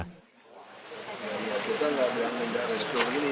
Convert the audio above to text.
kita tidak akan meminta restu ini